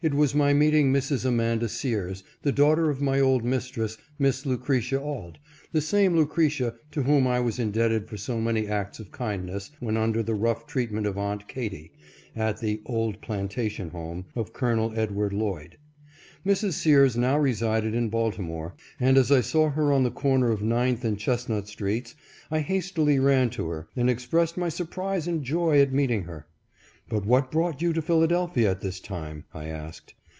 477 was my meeting Mrs. Amanda Sears, the daughter of my old mistress, Miss Lucretia Auld, the same Lucretia to whom I was indebted for so many acts of kindness when under the rough treatment of Aunt Katy, at the " old plantation home " of Col. Edward Lloyd. Mrs. Sears now resided in Baltimore, and as I saw her on the corner of Ninth and Chestnut streets, I hastily ran to her, and expressed my surprise and joy at meeting her. " But what brought you to Philadelphia at this time ?" I asked.